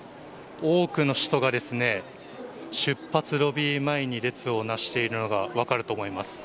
多くの人が出発ロビー前に列をなしているのが分かると思います。